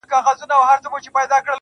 • پر دې گناه خو ربه راته ثواب راکه.